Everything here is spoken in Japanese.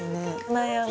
悩む。